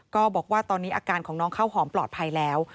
ก็บอกว่าตอนนี้อาการของน้องข้าวหอมปลอดภัยแล้ว